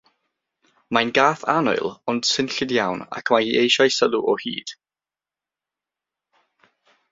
Mae'n gath annwyl ond swnllyd iawn, ac mae hi eisiau sylw o hyd.